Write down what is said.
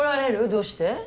どうして？